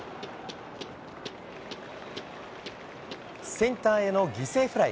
センターへの犠牲フライ。